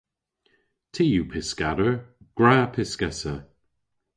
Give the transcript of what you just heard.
Ty yw pyskador. Gwra pyskessa!